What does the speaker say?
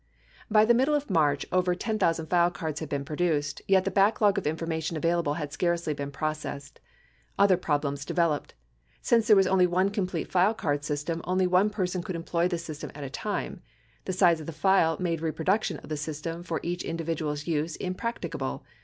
By the middle of March, over 10,000 file cards had been produced, yet the backlog of information available had scarcely been processed. Other problems developed. Since there was only one complete file card system, only one person could employ the system at a time. The size of the file made reproduction of the system for each individual's use impracticable.